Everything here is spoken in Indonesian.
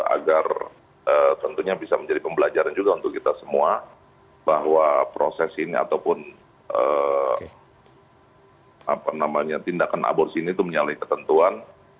agar tentunya bisa menjadi pembelajaran juga untuk kita semua bahwa proses ini ataupun tindakan aborsi ini itu menyalahi ketentuan